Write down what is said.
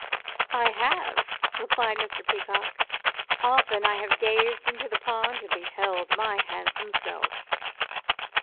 "I have," replied Mr. Peacock; "often I have gazed into the pond and beheld my handsome self."